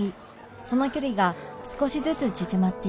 その距離が少しずつ縮まっていく